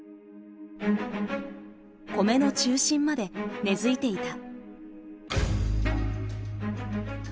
米の中心まで根づいていた。